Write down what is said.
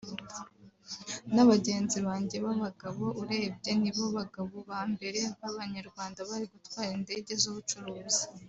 na bagenzi banjye b’abagabo urebye nibo bagabo ba mbere b’Abanyarwanda bari gutwara indege z’ubucuruzi